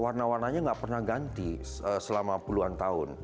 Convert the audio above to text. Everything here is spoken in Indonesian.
warna warna itu hanya tidak pernah diganti selama puluhan tahun